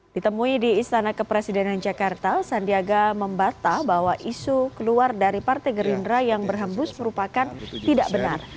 ditemui di istana kepresidenan jakarta sandiaga membata bahwa isu keluar dari partai gerindra yang berhembus merupakan tidak benar